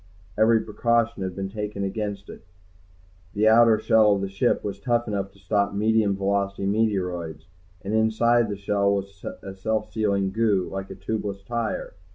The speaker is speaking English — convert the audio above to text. Every precaution had been taken against it. The outer shell of the ship was tough enough to stop medium velocity meteoroids, and inside the shell was a self sealing goo, like a tubeless tire.